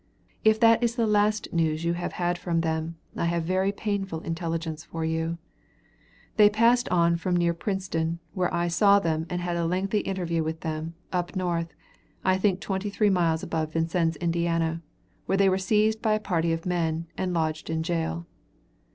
If that is the last news you have had from them, I have very painful intelligence for you. They passed on from near Princeton, where I saw them and had a lengthy interview with them, up north, I think twenty three miles above Vincennes, Ind., where they were seized by a party of men, and lodged in jail.